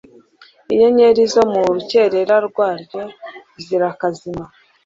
inyenyeri zo mu rukerera rwaryo zirakazima